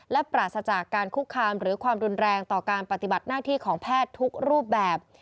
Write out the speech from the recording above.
และปราศจากการคุกคามหรือความรุนแรงต่อการปฏิบัติหน้าที่ของแพทย์ทุกรูปแบบ